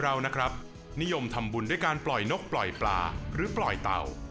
เรานะครับนิยมทำบุญด้วยการปล่อยนกปล่อยปลาหรือปล่อยเต่า